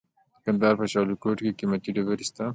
د کندهار په شاه ولیکوټ کې قیمتي ډبرې شته.